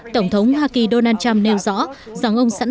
tổng thống hoa kỳ donald trump nêu rõ rằng ông sẵn sàng